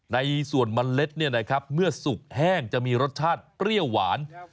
ในส่วนมะเล็ดเมื่อสุกแห้งจะมีรสชาติเปรี้ยวหวาน